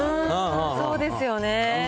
そうですよね。